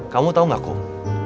kamu tahu tidak pak